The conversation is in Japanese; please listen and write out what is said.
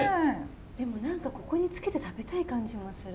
でも何かここにつけて食べたい感じもする。